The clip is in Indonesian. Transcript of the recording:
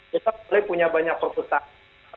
kita boleh punya banyak perpustakaan